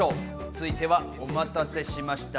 続いては、お待たせしました。